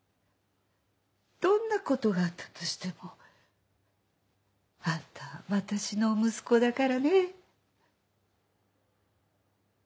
どんなことがあったとしてもあんたは私の息子だからね。